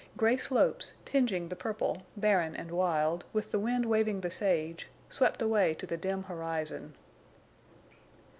Gray slopes, tinging the purple, barren and wild, with the wind waving the sage, swept away to the dim horizon.